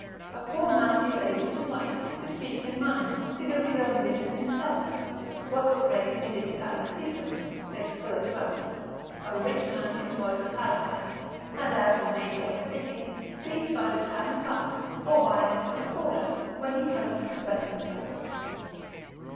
A poor man is able to write, to speak his mind, to do his own business himself; locuples mittit parasitum, saith Philostratus, a rich man employs a parasite, and as the major of a city, speaks by the town clerk, or by Mr. Recorder, when he cannot express himself.